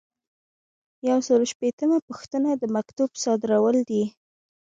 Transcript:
یو سل او شپیتمه پوښتنه د مکتوب صادرول دي.